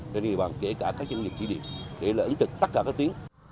doanh nghiệp bằng kể cả các doanh nghiệp chỉ điệp để là ứng trật tất cả các tuyến